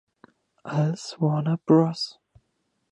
Als Warner Bros.